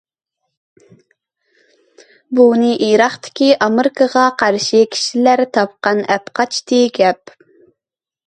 بۇنى ئىراقتىكى ئامېرىكىغا قارشى كىشىلەر تاپقان ئەپقاچتى گەپ.